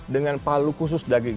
dengan palu khusus daging